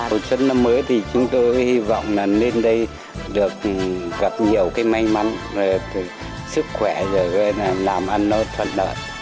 hồi xuân năm mới thì chúng tôi hy vọng lên đây được gặp nhiều may mắn sức khỏe làm ăn nó thoạt đợt